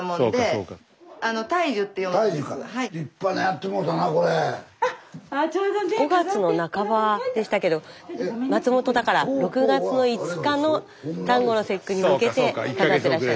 スタジオ５月の半ばでしたけど松本だから６月の５日の端午の節句に向けて飾ってらっしゃる。